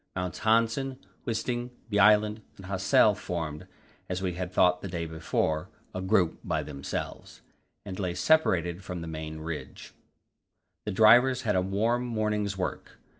Mounts Hanssen, Wisting, Bjaaland, and Hassel formed, as we had thought the day before, a group by themselves, and lay separated from the main range. The drivers had a warm morning's work.